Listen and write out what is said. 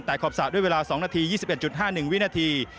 แต่ขอบสระด้วยเวลา๒นาที๒๑๕๑วินาที